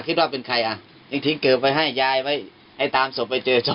คิดว่าเป็นใครอ่ะยังทิ้งเกิบไว้ให้ยายไว้ให้ตามศพไปเจอศพ